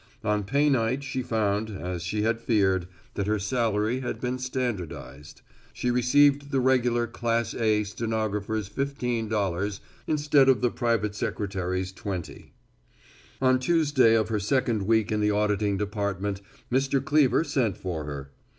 On pay night she found, as she had feared, that her salary had been standardized. She received the regular class A stenographer's $15 instead of the private secretary's $20. On Tuesday of her second week in the auditing department, Mr. Cleever sent for her.